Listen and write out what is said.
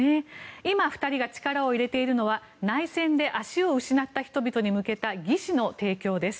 今、２人が力を入れているのは内戦で足を失った人々に向けた義肢の提供です。